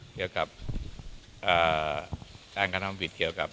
เกี่ยวกับเอ่อต้านท่านธนปิชย์เกี่ยวกับ